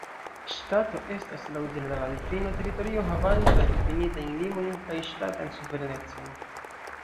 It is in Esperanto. Ŝtato estas laŭ ĝenerala difino teritorio havanta difinitajn limojn kaj ŝtatan suverenecon.